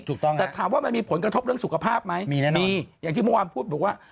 ถูกต้องแต่ถามว่ามันมีผลกระทบเรื่องสุขภาพไหมมีนะมีอย่างที่เมื่อวานพูดบอกว่า